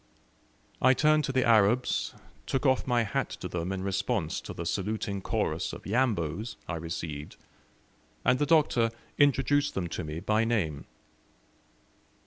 I turned to the Arabs, took off my hat to them in response to the saluting chorus of "Yambos" I received, and the Doctor introduced them to me by name.